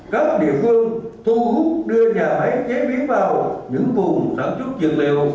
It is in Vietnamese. các địa phương thu hút đưa nhà máy chế biến vào những vùng sản xuất dược liệu